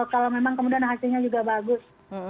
kalau memang kemudian hasilnya juga bagus